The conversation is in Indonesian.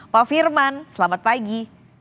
pak firman selamat pagi